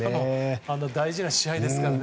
大事な試合ですからね。